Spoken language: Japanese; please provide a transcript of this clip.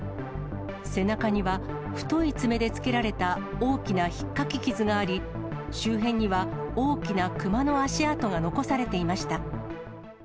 背中には太い爪でつけられた大きなひっかき傷があり、周辺には、大きなクマの足跡が残されていました。